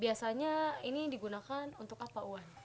biasanya ini digunakan untuk apa uan